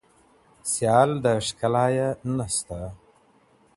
سيال د ښكلا يې نسته